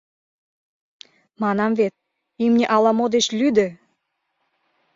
Манам вет, имне ала-мо деч лӱдӧ!